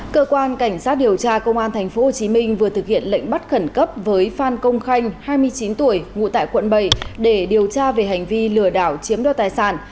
cơ quan cảnh sát điều tra công an tp hcm vừa thực hiện lệnh bắt khẩn cấp với phan công khanh hai mươi chín tuổi ngụ tại quận bảy để điều tra về hành vi lừa đảo chiếm đoạt tài sản